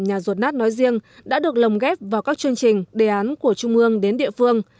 nhà giọt nát nói riêng đã được lồng ghép vào các chương trình đề án của trung ương đến địa phương